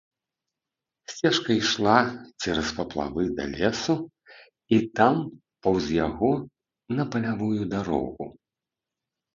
Сцежка ішла цераз паплавы да лесу і там паўз яго на палявую дарогу.